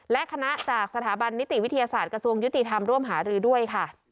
และคณะจากสถาบันนิติวิทยาศาสตร์กระทรวงยุติธรรมร่วมหารือด้วยค่ะ